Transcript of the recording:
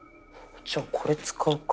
じゃあこれ使うか。